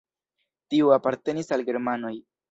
Tiu apartenis al germanoj.